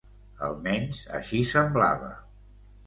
Almenys així semblava.